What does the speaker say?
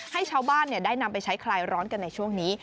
ให้ชาวบ้านได้นำไปใช้คลายร้อนกันในช่วงนี้